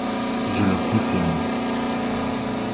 Je le confirme.